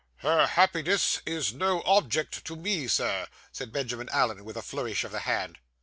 'Her happiness is no object to me, sir,' said Benjamin Allen, with a flourish of the hand.